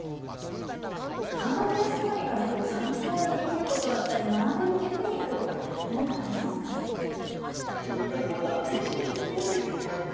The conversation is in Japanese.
川端康成から参考にできることだったり、学べるテクニックとか、何かありますか？